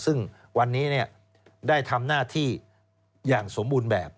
ซึ่งวันนี้ได้ทำหน้าที่อย่างสมบูรณ์แบบ